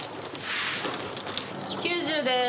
９０です。